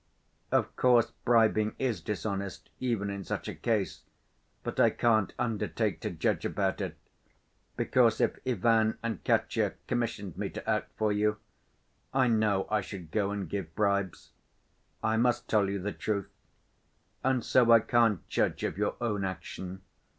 Of course, bribing is dishonest even in such a case, but I can't undertake to judge about it, because if Ivan and Katya commissioned me to act for you, I know I should go and give bribes. I must tell you the truth. And so I can't judge of your own action.